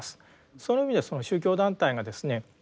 その意味ではその宗教団体がですね